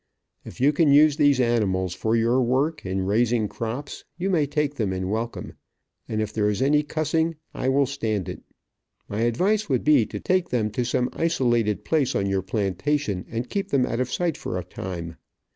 If you can use these animals for your work, in raising crops, you may take them in welcome, and if there is any cussing, I will stand it. My advice would be to take them to some isolated place on your plantation, and keep them out of sight for a time.